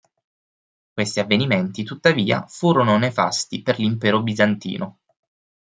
Questi avvenimenti tuttavia furono nefasti per l'impero bizantino.